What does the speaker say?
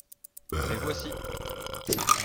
Les voici.